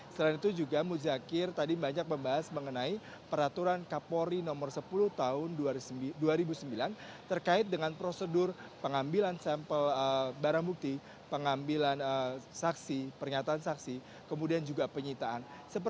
selain itu juga muzakir tadi banyak membahas mengenai peraturan kapolri nomor sepuluh tahun dua ribu sembilan terkait dengan prosedur pengambilan sampel barang bukti pengambilan saksi pernyataan saksi kemudian juga penyitaan